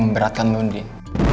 beratkan lo din